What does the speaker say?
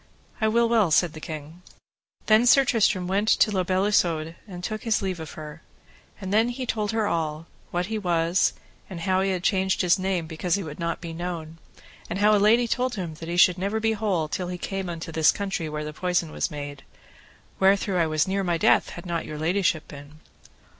I will well, said the king. Then Sir Tristram went unto La Beale Isoud and took his leave of her. And then he told her all, what he was, and how he had changed his name because he would not be known, and how a lady told him that he should never be whole till he came into this country where the poison was made, wherethrough I was near my death had not your ladyship been.